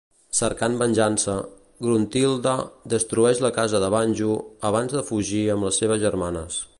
Cercant venjança, Gruntilda destrueix la casa de Banjo abans de fugir amb les seves germanes.